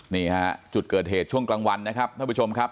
นี่ฮะจุดเกิดเหตุช่วงกลางวันนะครับท่านผู้ชมครับ